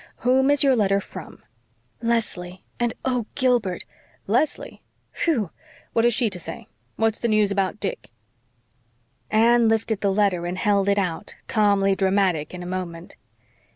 Whom is your letter from?" "Leslie and, oh, Gilbert " "Leslie! Whew! What has she to say? What's the news about Dick?" Anne lifted the letter and held it out, calmly dramatic in a moment.